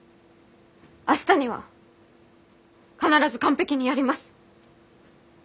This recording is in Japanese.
明日には必ず完璧にやります。